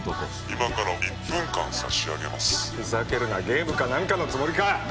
今から１分間差し上げますふざけるなゲームかなんかのつもりか！